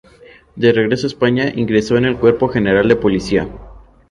De regreso a España ingresó en el Cuerpo General de Policía.